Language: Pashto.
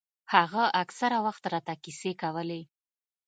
هغه اکثره وخت راته کيسې کولې.